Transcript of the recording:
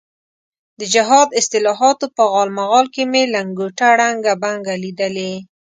د جهاد اصطلاحاتو په غالمغال کې مې لنګوټه ړنګه بنګه لیدلې.